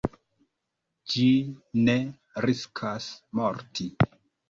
Ĝi ne riskas morti.